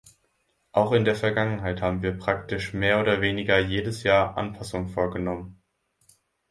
Auch in der Vergangenheit haben wir praktisch mehr oder weniger jedes Jahr Anpassungen vorgenommen.